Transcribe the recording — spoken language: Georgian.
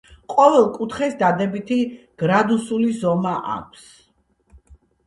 ყოველ კუთხეს დადებითი გრადუსული ზომა აქვს.